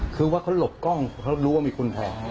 คือว่าเขาหลบกล้องเขารู้ว่ามีคนแทง